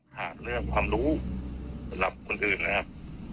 ถามเรื่องความรู้สำหรับคนอื่นนะครับ